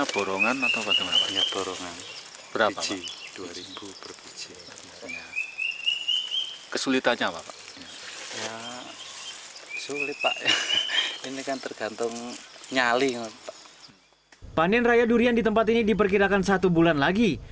panen raya durian di tempat ini diperkirakan satu bulan lagi